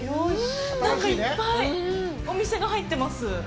なんかいっぱいお店が入ってます。